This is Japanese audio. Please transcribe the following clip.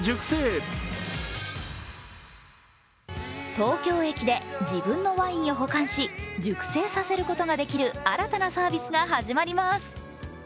東京駅で自分のワインを保管し熟成させることができる新たなサービスが始まります。